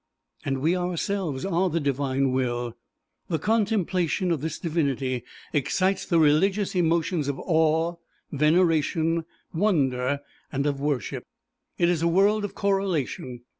And we ourselves are the Divine Will. The contemplation of this divinity excites the religious emotions of awe, veneration, wonder and of worship. It is a world of correlation.